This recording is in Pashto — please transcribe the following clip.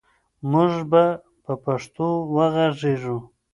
موږ به په پښتو وغږېږو.